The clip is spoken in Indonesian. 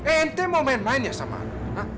eh ente mau main main ya sama ana